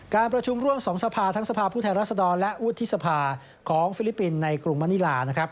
การประชุมร่วม๒สภาทั้งสภาพผู้แทนรัศดรและวุฒิสภาของฟิลิปปินส์ในกรุงมณิลานะครับ